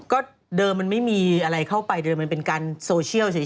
ก็เดิมมันไม่มีอะไรเข้าไปเดิมมันเป็นการโซเชียลสิ